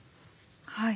はい。